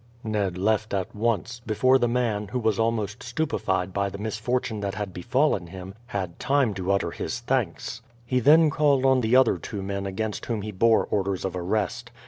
Ned left at once, before the man, who was almost stupefied by the misfortune that had befallen him, had time to utter his thanks. He then called on the other two men against whom he bore orders of arrest.